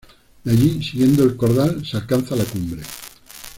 De allí siguiendo el cordal se alcanza la cumbre.